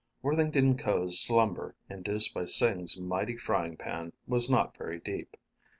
Worthington Ko's slumber, induced by Sing's mighty frying pan, was not very deep.